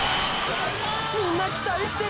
みんな期待してる！！